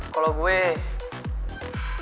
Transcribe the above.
kalau gue ngelakuin sesuatu yang gila